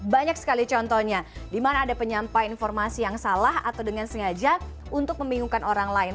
banyak sekali contohnya di mana ada penyampaian informasi yang salah atau dengan sengaja untuk membingungkan orang lain